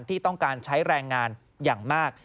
ที่ต้องการใช้แรงงานอย่างมาก